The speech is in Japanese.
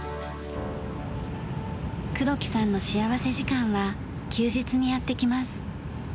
黒木さんの幸福時間は休日にやってきます。